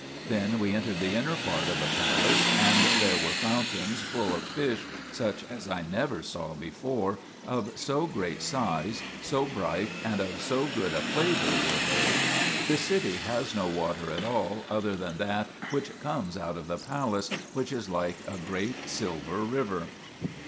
Then we entered the inner part of the palace, and there were fountains full of fish such as I never saw before, of so great size, so bright and of so good a flavour were they. The city has no water at all other than that which comes out of the palace, which is like a great silver river.